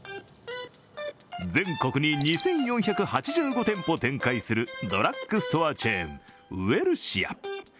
全国に２４８５店舗展開するドラッグストアチェーン、ウエルシア。